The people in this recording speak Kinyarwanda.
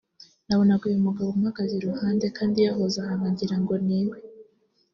nabonaga uyu mugabo umpagaze iruhande kandi yahoze aha nkagira ngo niwe